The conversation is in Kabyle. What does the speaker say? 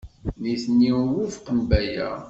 Nitni ur wufqen Baya.